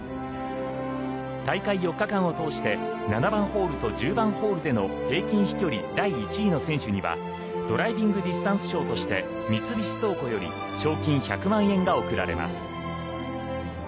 大会４日間を通して７番ホールと１０番ホールでの平均飛距離第１位の選手にはドライビングディスタンス賞として三菱倉庫より賞金１００万円が贈られます。